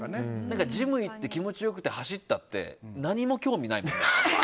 ジム行って気持ちよくて走ったってなにも興味ないもんね。